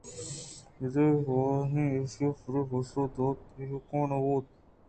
بلے وازدار ایشانی پرے پسّہ ءَ دل ایکم نہ بُوت